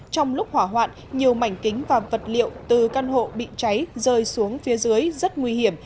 trong lúc hỏa hoạn nhiều mảnh kính và vật liệu từ căn hộ bị cháy rơi xuống phía dưới rất nguy hiểm